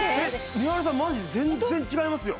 みはるさんマジで全然違いますよ。